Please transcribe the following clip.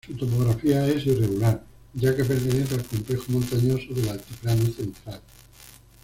Su topografía es irregular, ya que pertenece al complejo montañoso del Altiplano Central.